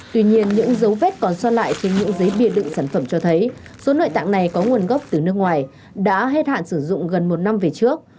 tuy nhiên những dấu vết còn xót lại trên những giấy biên đựng sản phẩm cho thấy số nội tạng này có nguồn gốc từ nước ngoài đã hết hạn sử dụng gần một năm về trước